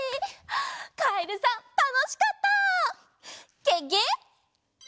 カエルさんたのしかったゲゲ。